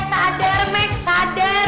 eh sadar meg sadar